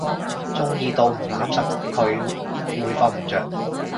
中意到唔攬實佢會瞓唔著